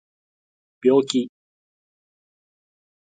病気